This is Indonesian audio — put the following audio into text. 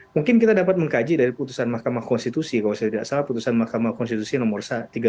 mungkin kita dapat mengkaji dari putusan mahkamah konstitusi kalau saya tidak salah putusan mahkamah konstitusi nomor tiga puluh